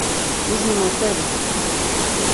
Izņemot tevi!